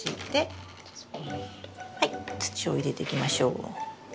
土を入れていきましょう。